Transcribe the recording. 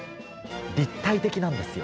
立体的なんですよ！